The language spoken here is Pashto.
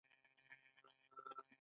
دوهم د خپل شرکت جوړول دي.